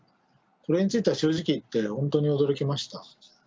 これについては正直言って、本当に驚きました。